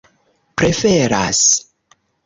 preferas